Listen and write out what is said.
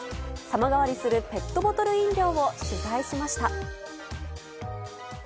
様変わりするペットボトル飲料を取材しました。